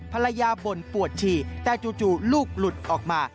บ่นปวดฉี่แต่จู่ลูกหลุดออกมา